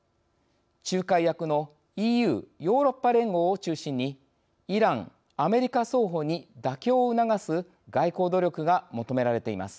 仲介役のＥＵ＝ヨーロッパ連合を中心にイラン・アメリカ双方に妥協を促す外交努力が求められています。